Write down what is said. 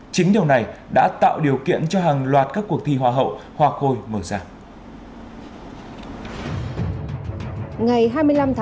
chính điều này đã tạo điều kiện cho hàng loạt các cuộc thi hoa hậu hoa khôi mở giả